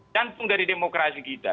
jantung dari demokrasi kita